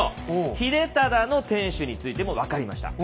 秀忠の天守についても分かりました。